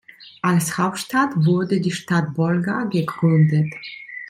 Als Hauptstadt wurde die Stadt Bolgar gegründet.